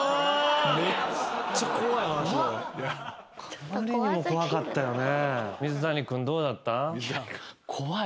あまりにも怖かったよね。